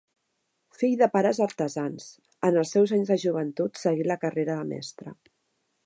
Fill de pares artesans, en els seus anys de joventut seguí la carrera de mestre.